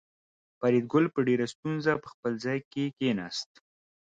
فریدګل په ډېره ستونزه په خپل ځای کې کېناست